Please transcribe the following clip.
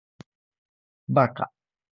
バカ